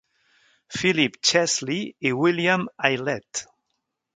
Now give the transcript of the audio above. Philip Chesley i William Aylett.